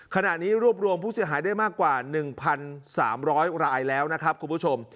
ขณะนี้รวบรวมผู้เสียหายได้มากกว่า๑๓๐๐รายแล้วนะครับคุณผู้ชม